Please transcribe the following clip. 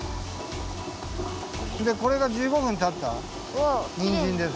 これが１５分たったにんじんです。